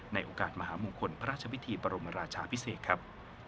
ในโอกาสมหามงคลพระราชพิธีบรมราชาพิเศษครับ